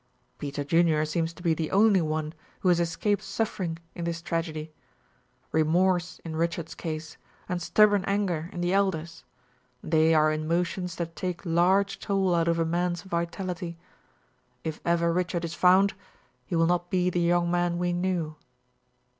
"Peter Junior seems to be the only one who has escaped suffering in this tragedy. Remorse in Richard's case, and stubborn anger in the Elder's they are emotions that take large toll out of a man's vitality. If ever Richard is found, he will not be the young man we knew."